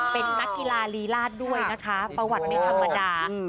เป็นนักกีฬาลีลาดด้วยนะคะประวัติไม่ธรรมดา